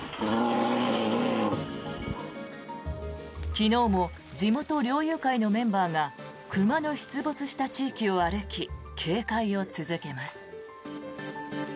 昨日も地元猟友会のメンバーが熊の出没した地域を歩き警戒を続けます。